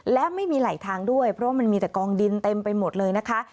และไม่มีไหลทางด้วยเพราะว่ามันมีแต่กองดินเต็มไปหมดเลยนะคะ